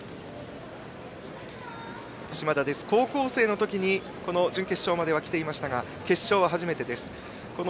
嶋田は高校生の時準決勝まで来ていましたが決勝は初めてです。